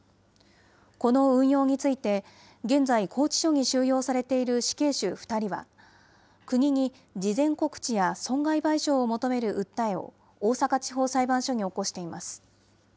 この運用について、現在、拘置所に収容されている死刑囚２人は、国に事前告知や損害賠償を求める訴えを大阪地方裁判所に起こしています。